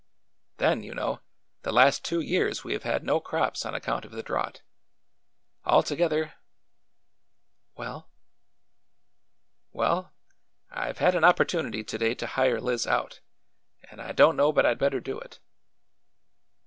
Then, you know, the last two years we have had no crops on account of the drought. All together—" "Well?" " Well, — I 've had an opportunity to day to hire Liz out, and I don't know but I 'd better do it."